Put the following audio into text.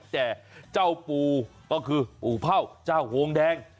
แต่เจ้าปู่ก็คือปู่เผ่าเจ้าโฮงแดง